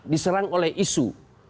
diserang oleh isu